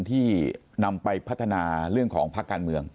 ที่นำไปพัฒนาเรื่องของภาคการเมือง